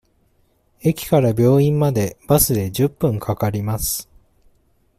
駅から病院までバスで十分かかります。